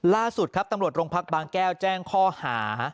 ล่าสุดครับตำรวจโรงพักบางแก้วแจ้งข้อหา